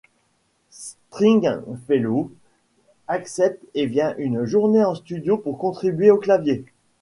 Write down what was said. Stringfellow accepte et vient une journée en studio pour contribuer aux claviers.